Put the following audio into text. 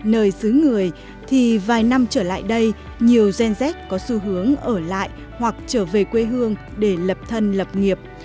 nơi dưới người thì vài năm trở lại đây nhiều gen z có xu hướng ở lại hoặc trở về quê hương để lập thân lập nghiệp